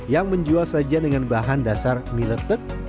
yang menjual sajian dengan bahan dasar mie letek